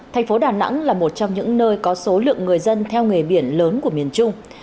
thành phố đà nẵng là một trong những nơi có số lượng người dân theo nghề biển lớn của miền trung